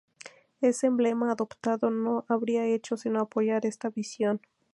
El emblema adoptado no habría hecho sino apoyar esta visión.